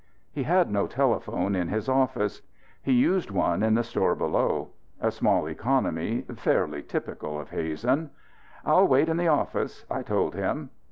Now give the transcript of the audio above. He had no telephone in his office; he used one in the store below. A small economy fairly typical of Hazen. "I'll wait in the office," I told him.